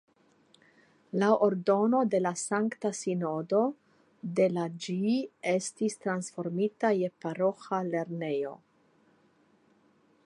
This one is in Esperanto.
Laŭ ordono de la Sankta Sinodo de la ĝi estis transformita je paroĥa lernejo.